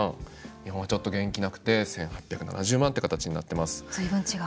日本はちょっと元気なくて１８００万という形になってます。